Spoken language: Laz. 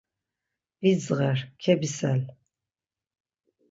Bidzğer, kebisel.